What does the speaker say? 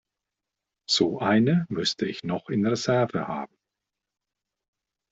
So eine müsste ich noch in Reserve haben.